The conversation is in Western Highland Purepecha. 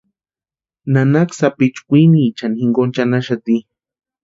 Nanaka sapichu kwiniechani jinkoni chʼanaxati.